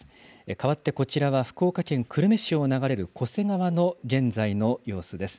かわってこちらは、福岡県久留米市を流れる巨瀬川の現在の様子です。